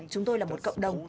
chúng tôi là một cộng đồng